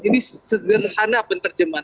ini sederhana penerjemah